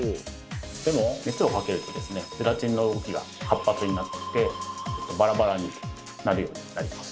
でも熱をかけるとですねゼラチンの動きが活発になってきてバラバラになるようになります。